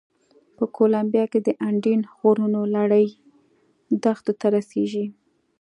په کولمبیا کې د اندین غرونو لړۍ دښتو ته رسېږي.